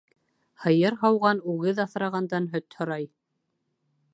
Һыйыр һауған үгеҙ аҫрағандан һөт һорай.